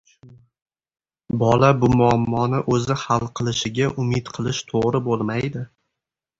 Bola bu muammoni o‘zi hal qilishiga umid qilish to‘g‘ri bo‘lmaydi.